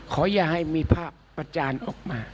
อย่าให้มีภาพประจานออกมา